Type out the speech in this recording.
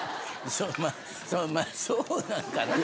そうまあそうなんかな？